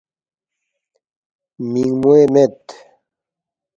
مِنگموے مید